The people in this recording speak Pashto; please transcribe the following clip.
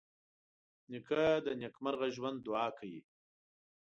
نیکه د نېکمرغه ژوند دعا کوي.